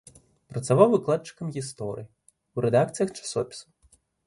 Працаваў выкладчыкам гісторыі, у рэдакцыях часопісаў.